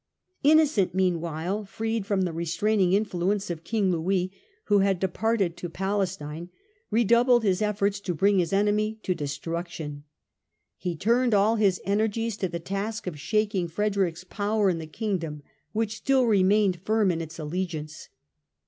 Innocent, meanwhile, freed from the restraining in fluence of King Louis, who had departed to Palestine, redoubled his attempts to bring his enemy to destruction. He turned all his energies to the task of shaking Frede rick's power in the Kingdom, which still remained firm in its allegiance.